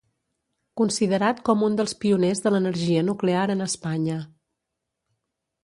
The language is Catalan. Considerat com un dels pioners de l'energia nuclear en Espanya.